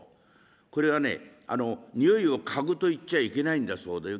これはね匂いをかぐと言っちゃいけないんだそうだよ。